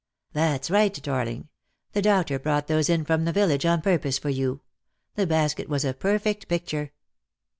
" That's right, darling. The doctor brought those in from the village on purpose for you. The basket was a perfect pic ture."